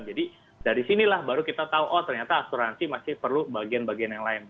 dari sinilah baru kita tahu oh ternyata asuransi masih perlu bagian bagian yang lain